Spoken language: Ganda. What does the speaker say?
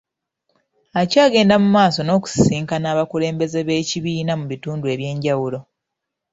Akyagenda mu maaso n'okusisinkana abakulembeze b'ekibiina mu bitundu ebyenjawulo .